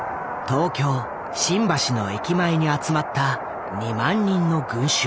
東京・新橋の駅前に集まった２万人の群衆。